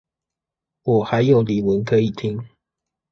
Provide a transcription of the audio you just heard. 我還有李玟可以聽